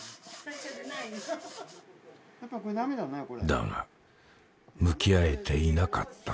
だが向き合えていなかった。